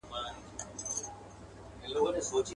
پېغلتوب مي په غم زوړ کې څه د غم شپې تېرومه.